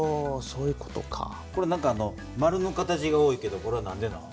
これ丸の形が多いけど何でなの？